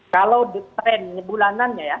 kalau trend bulanannya ya